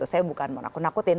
saya bukan mau nakutin